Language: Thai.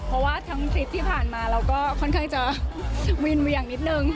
เพราะว่าทั้งทริปที่ผ่านมาเราก็ค่อนข้างจะวินมาอย่างนิดนึง